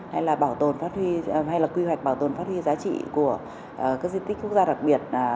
hay là quy hoạch bảo tồn phát huy giá trị của các di tích quốc gia đặc biệt